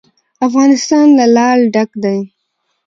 افغانستان له لعل ډک دی.